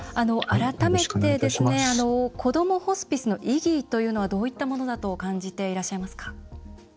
改めて、こどもホスピスの意義というのはどういったものだと感じてらっしゃいますか？